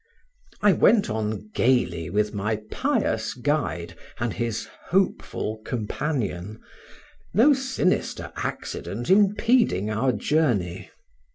I went on gayly with my pious guide and his hopeful companion, no sinister accident impeding our journey.